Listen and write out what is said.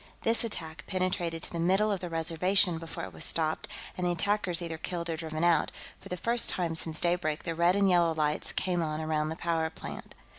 This attack penetrated to the middle of the Reservation before it was stopped and the attackers either killed or driven out; for the first time since daybreak, the red and yellow lights came on around the power plant.